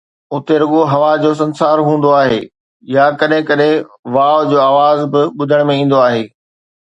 اتي رڳو هوا جو سنسار هوندو آهي يا ڪڏهن ڪڏهن واءُ جو آواز به ٻڌڻ ۾ ايندو آهي